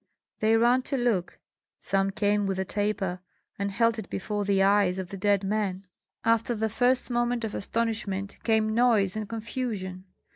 They ran to look; some came with a taper, and held it before the eyes of the dead men. After the first moment of astonishment came noise and confusion.